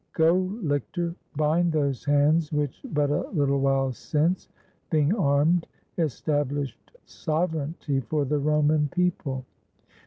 Go, lictor, bind those hands, which but a Uttle while since, being armed, established sov ereignty for the Roman people.